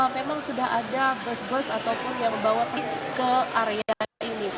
memang sudah ada bus bus ataupun yang membawa ke area ini